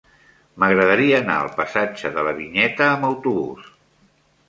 M'agradaria anar al passatge de la Vinyeta amb autobús.